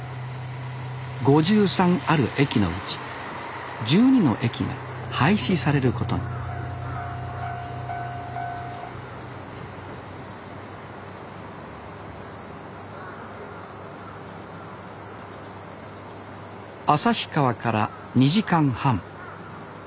５３ある駅のうち１２の駅が廃止されることに旭川から２時間半。